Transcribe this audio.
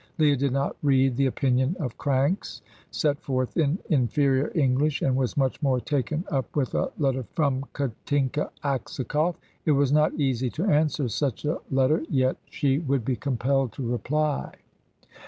Leah did not read the opinions of cranks set forth in inferior English and was much more taken up with a letter from Katinka Aksakoff. It was not easy to answer such a letter, yet she would be compelled to reply.